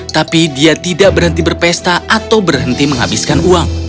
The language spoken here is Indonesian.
tapi dia tidak berhenti berpesta atau berhenti menghabiskan uang